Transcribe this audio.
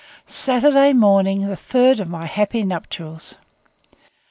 Saturday morning, the third of my happy nuptials.